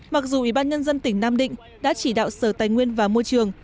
mặc dù ủy ban nhân dân tỉnh nam định đã chỉ đạo sở tài nguyên và môi trường